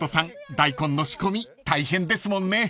大根の仕込み大変ですもんね］